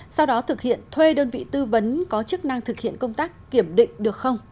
sau đó thực hiện thuê đơn vị tư vấn có chức năng thực hiện công tác kiểm định được không